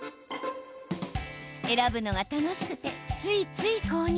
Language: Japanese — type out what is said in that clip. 選ぶのが楽しくて、ついつい購入。